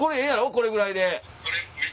これぐらいで。